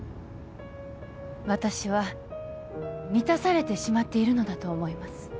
私は満たされてしまっているのだと思います